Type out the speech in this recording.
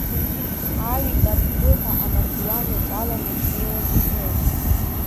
Ааҩит аддыҳәа амардуан иаҿаланы ишнеиуаз зны.